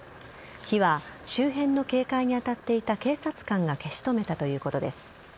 火は周辺の警戒に当たっていた警察官が消し止めたということです。